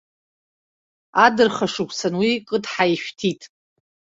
Адырхашықәсан, уи кыдҳа ишәҭит.